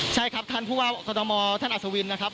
ใช่ครับท่านผู้ว่ากรทมท่านอัศวินนะครับ